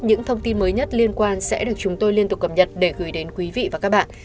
những thông tin mới nhất liên quan sẽ được chúng tôi liên tục cập nhật để gửi đến quý vị và các bạn